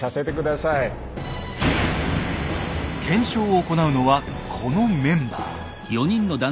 検証を行うのはこのメンバー。